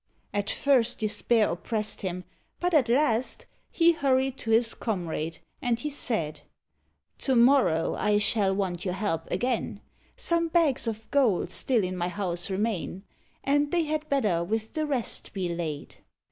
At first despair oppressed him; but at last He hurried to his comrade, and he said "To morrow I shall want your help again; Some bags of gold still in my house remain, And they had better with the rest be laid."